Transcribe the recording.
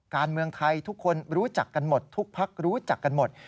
การเมืองไทยทุกคนรู้จักกันหมดทุกพักรู้จักกันหมด